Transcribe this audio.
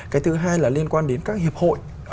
cái thứ hai là liên quan đến các hiệp hội